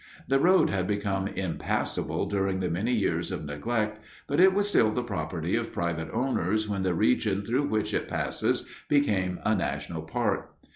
The road had become impassable during the many years of neglect, but it was still the property of private owners when the region through which it passes became a national park.